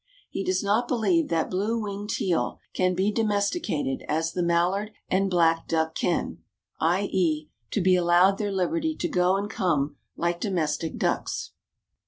He does not believe that blue winged teal can be domesticated as the mallard and black duck can, i. e., to be allowed their liberty to go and come like domestic ducks.